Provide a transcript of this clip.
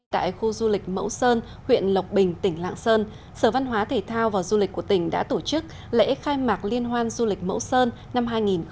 tại khu du lịch mẫu sơn huyện lộc bình tỉnh lạng sơn sở văn hóa thể thao và du lịch của tỉnh đã tổ chức lễ khai mạc liên hoan du lịch mẫu sơn năm hai nghìn hai mươi